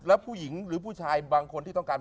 แล้วผู้หญิงหรือผู้ชายบางคนที่ต้องการ